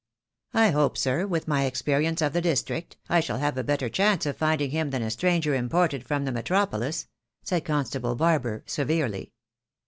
"I hope, sir, with my experience of the district, I shall have a better chance of finding him than a stranger imported from the Metropolis," said Constable Barber, severely.